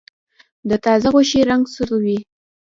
د تازه غوښې رنګ سور وي.